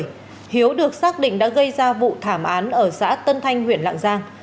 phòng cảnh sát hiếu được xác định đã gây ra vụ thảm án ở xã tân thanh huyện lạng giang